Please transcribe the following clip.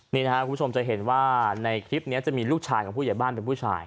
นี่นะครับคุณผู้ชมจะเห็นว่าในคลิปนี้จะมีลูกชายของผู้ใหญ่บ้านเป็นผู้ชาย